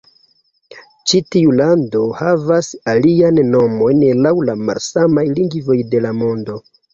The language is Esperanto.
Ĉi tiu lando havas aliajn nomojn laŭ la malsamaj lingvoj de la mondo.